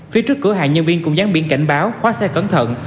phía trước cửa hàng nhân viên cũng gián biến cảnh báo khóa xe cẩn thận